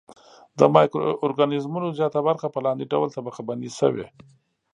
د مایکرو ارګانیزمونو زیاته برخه په لاندې ډول طبقه بندي شوې.